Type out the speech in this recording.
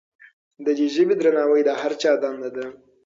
د دې ژبې درناوی د هر چا دنده ده.